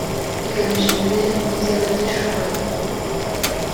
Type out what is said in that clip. bigamije imibereho myiza y abatishoboye